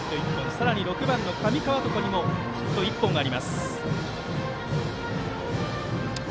さらに６番の上川床にもヒットが１本あります。